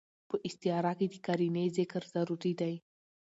په استعاره کښي د قرينې ذکر ضروري دئ.